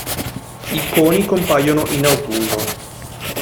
I coni compaiono in autunno.